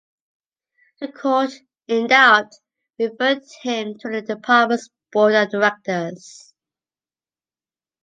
The court, in doubt, referred him to the Department's Board of Directors.